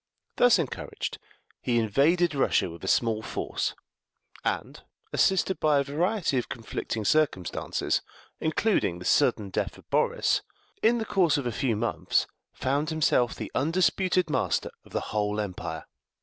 Thus encouraged, he invaded Russia with a small force, and, assisted by a variety of conflicting circumstances, including the sudden death of Boris, in the course of a few months found himself the undisputed master of the whole empire.